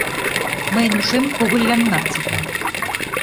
Мыйын ушем когыляннат сита.